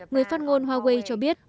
người phát ngôn huawei cho biết